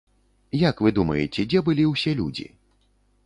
Як вы думаеце, дзе былі ўсе людзі?